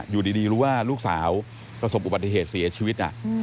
อยู่ดีรู้ว่าลูกสาวประสบอุบัติเหตุเสียชีวิต